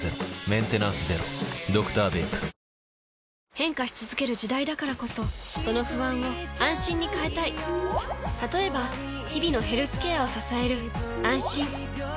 変化し続ける時代だからこそその不安を「あんしん」に変えたい例えば日々のヘルスケアを支える「あんしん」